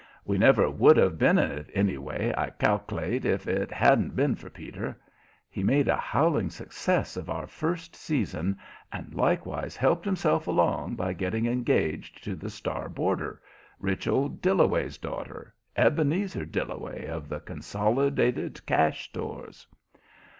We never would have been in it, anyway, I cal'late, if it hadn't been for Peter. He made a howling success of our first season and likewise helped himself along by getting engaged to the star boarder, rich old Dillaway's daughter Ebenezer Dillaway, of the Consolidated Cash Stores.